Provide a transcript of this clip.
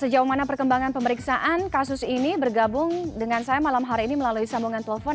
sejauh mana perkembangan pemeriksaan kasus ini bergabung dengan saya malam hari ini melalui sambungan telepon